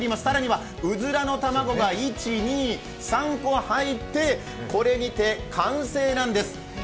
更にはうずらの卵が３個入ってこれにて完成なんです。